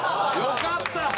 よかった！